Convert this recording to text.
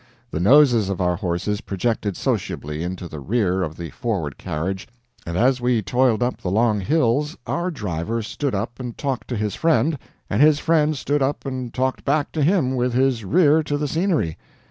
The noses of our horses projected sociably into the rear of the forward carriage, and as we toiled up the long hills our driver stood up and talked to his friend, and his friend stood up and talked back to him, with his rear to the scenery.